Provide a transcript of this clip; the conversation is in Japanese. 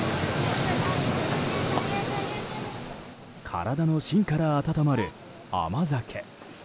体の芯から温まる甘酒。